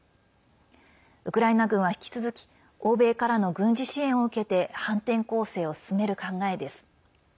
ウクライナ軍は引き続き欧米からの軍事支援を受けて反転攻勢を進める考えです。